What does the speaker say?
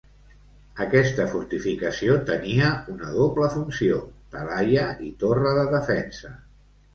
Aquesta fortificació tenia una doble funció: talaia i torre de defensa.